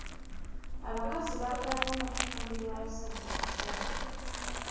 Abakazi baagala nnyo okufumbirwa abasajja abagagga.